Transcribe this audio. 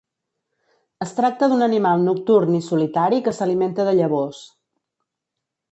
Es tracta d'un animal nocturn i solitari que s'alimenta de llavors.